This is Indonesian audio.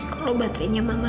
kava itu seperti baterainya mama